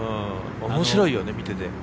面白いよね、見てて。